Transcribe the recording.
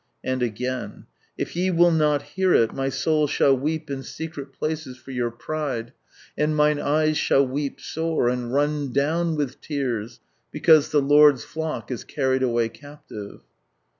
And again, " If ye will not hear it, my soul shall weep in secret places for your pride, and mine eyes shall weep sore, and run down with tears, because the Lord's fJock is carried away captive."